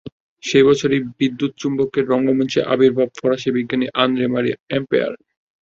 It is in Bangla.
সে বছরই বিদ্যুৎ চুম্বকের রঙ্গমঞ্চে আবির্ভাব ফরাসি বিজ্ঞানী আন্দ্রে মারি অ্যাম্পেয়ার।